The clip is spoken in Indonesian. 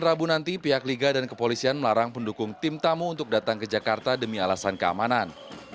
rabu nanti pihak liga dan kepolisian melarang pendukung tim tamu untuk datang ke jakarta demi alasan keamanan